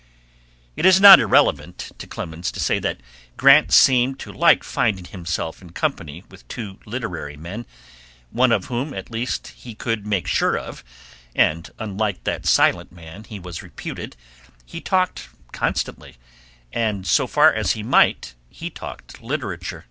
It is not irrelevant to Clemens to say that Grant seemed to like finding himself in company with two literary men, one of whom at least he could make sure of, and unlike that silent man he was reputed, he talked constantly, and so far as he might he talked literature.